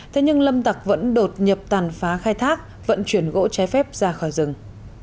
thế nhưng lâm tạc vẫn đột nhập tàn phá khai thác vận chuyển gỗ cháy phép ra khỏi rừng